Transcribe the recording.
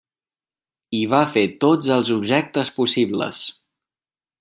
Hi va fer tots els objectes possibles.